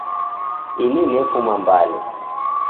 Ini nefuma Mbale.